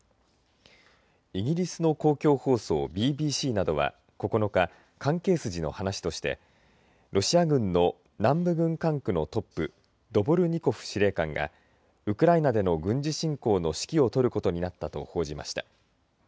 イギリスの公共放送ＢＢＣなどは９日、関係筋の話としてロシア軍の南部軍管区のトップドボルニコフ司令官がウクライナでの軍事侵攻の指揮を執ることになったと報じました。